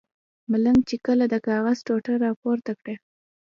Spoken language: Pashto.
ملنګ چې کله د کاغذ ټوټه را پورته کړه.